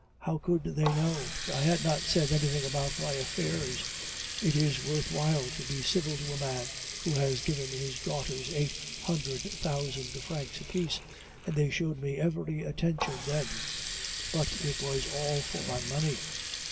How should they know? I had not said anything about my affairs. It is worth while to be civil to a man who has given his daughters eight hundred thousand francs apiece; and they showed me every attention then but it was all for my money.